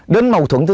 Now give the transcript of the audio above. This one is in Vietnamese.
đến mâu thuẫn thứ hai